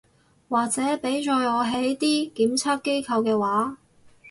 或者畀在我係啲檢測機構嘅話